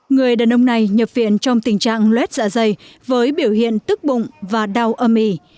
người đàn ông này nhập viện trong tình trạng lết dạ dây với biểu hiện tức bụng và đau âm y